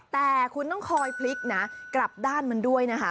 แต่คุณต้องคอยพลิกนะกลับด้านมันด้วยนะคะ